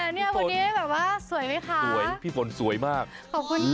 เนี่ยวันนี้แบบว่าสวยไหมคะสวยพี่ฝนสวยมากขอบคุณค่ะ